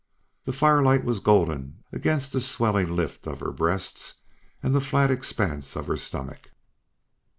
The firelight was golden against the swelling lift of her breasts and the flat expanse of her stomach.